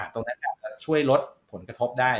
ตรงนั้นอาจจะช่วยลดผลกระทบได้